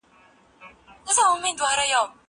کتابونه وليکه!؟